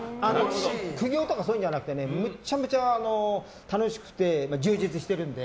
苦行とかそういうんじゃなくてめちゃめちゃ楽しくて充実してるので。